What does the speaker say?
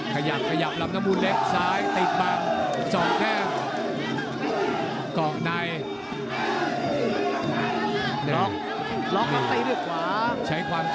ขยับขยับล้ำละมุนเล็กซ้ายติดบ้าน๒แรก